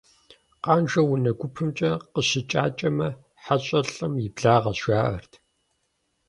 Къанжэр унэ гупэмкӀэ къыщыкӀакӀэмэ, хьэщӀэр лӀым и благъэщ, жаӀэрт.